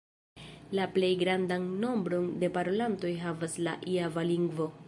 La plej grandan nombron de parolantoj havas la java lingvo.